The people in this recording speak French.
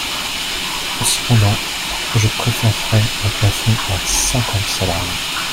Cependant, je préférerais un plafond à cinquante salariés.